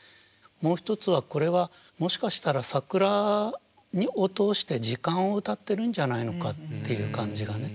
もう一つはこれはもしかしたら桜を通して時間を歌ってるんじゃないのかっていう感じがね。